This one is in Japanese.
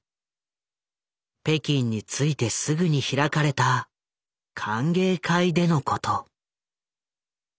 北京に着いてすぐに開かれた歓迎会でのこと。